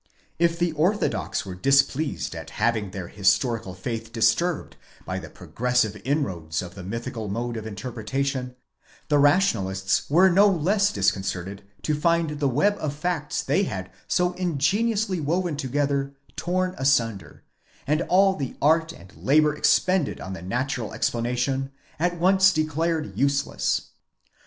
If the orthodox were displeased at having their historical faith disturbed by the progressive inroads of the mythical mode of interpretation, the rationalists were no less disconcerted to find the web of facts they had so ingeniously woven together torn asunder, and all the art and labour expended on the natural explanation at once declared useless.